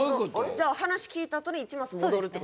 じゃあ話聞いたあとに１マス戻るって事か。